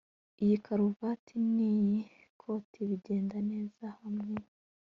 Iyi karuvati niyi koti bigenda neza hamwe